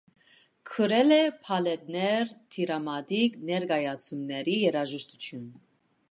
Գրել է բալետներ, դրամատիկ ներկայացումների երաժշտություն։